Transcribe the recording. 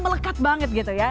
melekat banget gitu ya